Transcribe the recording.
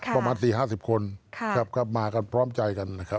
ประมาณ๔๐๕๐คนมากันพร้อมใจ